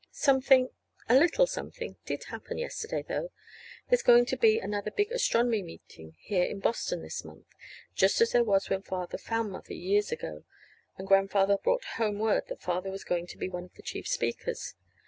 Something a little something did happen yesterday, though. There's going to be another big astronomy meeting here in Boston this month, just as there was when Father found Mother years ago; and Grandfather brought home word that Father was going to be one of the chief speakers.